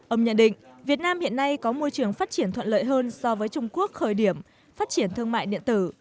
ông nhận định việt nam hiện nay có môi trường phát triển thuận lợi hơn so với trung quốc khởi điểm phát triển thương mại điện tử